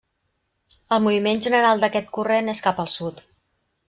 El moviment general d'aquest corrent és cap al sud.